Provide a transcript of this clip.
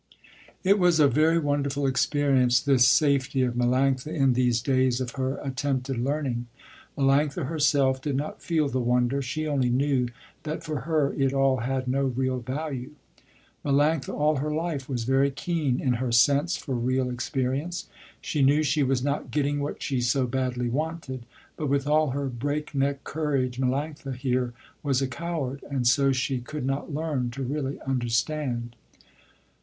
It was a very wonderful experience this safety of Melanctha in these days of her attempted learning. Melanctha herself did not feel the wonder, she only knew that for her it all had no real value. Melanctha all her life was very keen in her sense for real experience. She knew she was not getting what she so badly wanted, but with all her break neck courage Melanctha here was a coward, and so she could not learn to really understand.